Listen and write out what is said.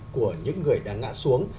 của những người đã ngã xuống